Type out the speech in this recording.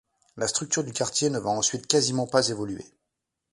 La structure du quartier ne va ensuite quasiment pas évoluer.